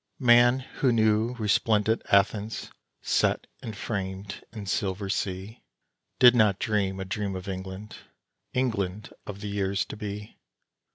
Man who knew resplendent Athens, set and framed in silver sea, Did not dream a dream of England England of the years to be!